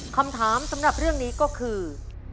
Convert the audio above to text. คำถามสำหรับเรื่องนี้ก็คือ